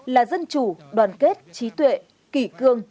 là dân chủ đoàn kết trí tuệ kỷ cương